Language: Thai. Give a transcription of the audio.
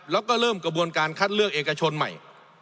แล้วก็เริ่มกระบวนการคัดเลือกเอกชนใหม่